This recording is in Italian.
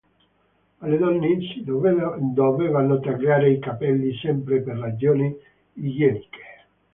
Alle donne si dovevano tagliare i capelli sempre per ragioni igieniche.